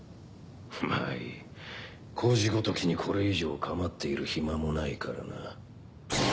まあいい居士ごときにこれ以上かまっている暇もないからな。